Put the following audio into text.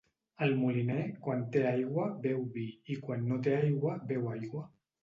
El moliner, quan té aigua, beu vi i quan no té aigua, beu aigua.